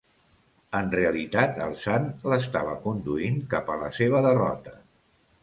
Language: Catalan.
En realitat el sant l'estava conduint cap a la seva derrota.